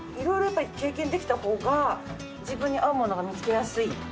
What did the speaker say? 色々やっぱり経験できた方が自分に合うものが見つけやすい？